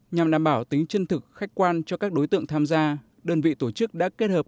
nhằm đảm bảo tính chân thực khách quan cho các đối tượng tham gia đơn vị tổ chức đã kết hợp